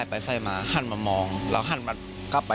รถแสงทางหน้า